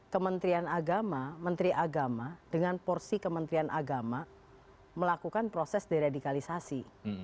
kementerian agama menteri agama dengan porsi kementerian agama melakukan proses deradikalisasi